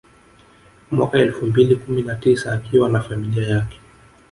Mwaka elfu mbili kumi na tisa akiwa na familia yake